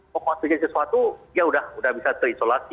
pokoknya itu jadi sesuatu dia sudah bisa terisolasi